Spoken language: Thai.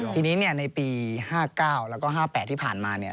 ทีนี้เนี่ยในปี๕๙แล้วก็๕๘ที่ผ่านมาเนี่ย